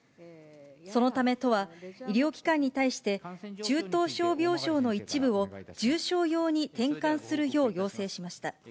そのため、都は医療機関に対して、中等症病床の一部を重症用に転換するよう要請しました。